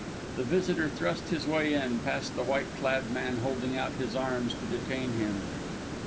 The visitor thrust his way in, past the white clad man holding out his arms to detain him.